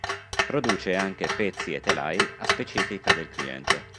Produce anche pezzi e telai a specifica del cliente.